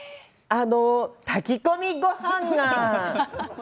炊き込みごはんが。